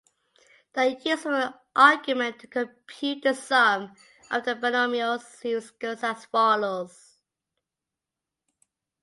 The usual argument to compute the sum of the binomial series goes as follows.